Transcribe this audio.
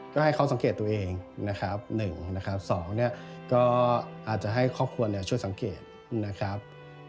ก็ให้เขาสังเกตตัวเองนะครับ๑นะครับ๒เนี่ยก็อาจจะให้ครอบครัวช่วยสังเกตนะครับ